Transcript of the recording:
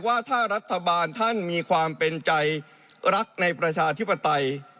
ว่าถ้ารัฐบาลท่านมีความเป็นใจรักในประชาธิปไตย